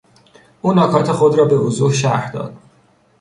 او نکات خود را به وضوح شرح داد.